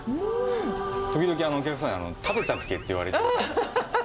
時々お客さんが食べたっけって言われちゃう。